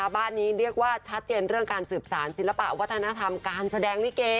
บ้านนี้เรียกว่าชัดเจนเรื่องการสืบสารศิลปะวัฒนธรรมการแสดงลิเก